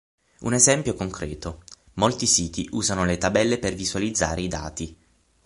Un esempio concreto: molti siti usano le tabelle per visualizzare i dati.